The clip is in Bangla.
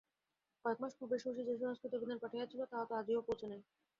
কয়েক মাস পূর্বে শশী যে সংস্কৃত অভিধান পাঠাইয়াছিল, তাহা তো আজিও পৌঁছে নাই।